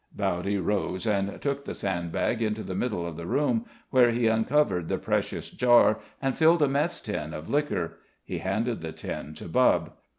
Bowdy rose and took the sandbag into the middle of the room, where he uncovered the precious jar and filled a mess tin of liquor. He handed the tin to Bubb.